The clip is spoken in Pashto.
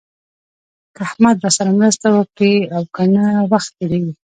که احمد راسره مرسته وکړي او که نه وخت تېرېږي.